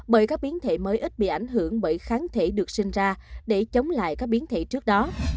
bởi các biến thể mới ít bị ảnh hưởng bởi kháng thể được sinh ra để chống lại các biến thể trước đó